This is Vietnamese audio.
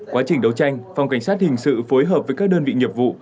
quá trình đấu tranh phòng cảnh sát hình sự phối hợp với các đơn vị nghiệp vụ